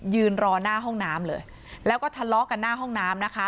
ยืนรอหน้าห้องน้ำเลยแล้วก็ทะเลาะกันหน้าห้องน้ำนะคะ